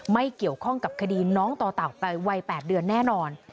ไม่เกี่ยวข้องกับคดีน้องต่อเต่าวัย๘เดือนแน่นอน